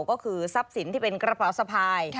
ก็คือทรัพย์สินที่เป็นกระเป๋าสะพาย